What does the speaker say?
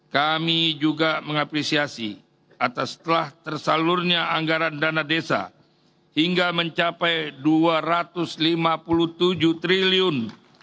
kami juga mengapresiasi atas telah tersalurnya anggaran dana desa hingga mencapai rp dua ratus lima puluh tujuh triliun